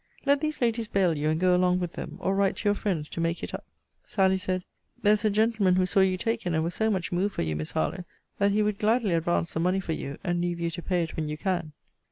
Let these ladies bail you, and go along with them; or write to your friends to make it up. Sally said, There is a gentleman who saw you taken, and was so much moved for you, Miss Harlowe, that he would gladly advance the money for you, and leave you to pay it when you can.